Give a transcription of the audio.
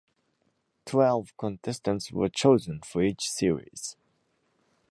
Twelve contestants were chosen for each series.